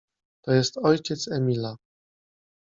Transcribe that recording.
to jest ojciec Emila.